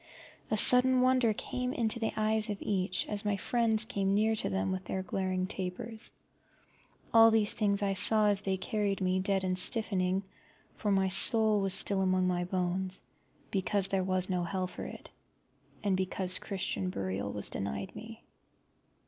A sudden wonder came in to the eyes of each, as my friends came near to them with their glaring tapers. All these things I saw as they carried me dead and stiffening, for my soul was still among my bones, because there was no hell for it, and because Christian burial was denied me.